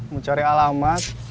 mau cari alamat